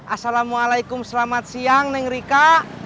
assalamualaikum selamat siang neng rika